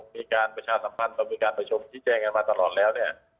มีการประชาสัมพันธ์มีการประชุมที่แจ้งกันมาตลอดแล้ว